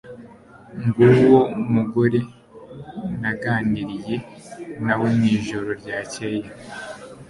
Nguwo mugore naganiriye nawe mwijoro ryakeye.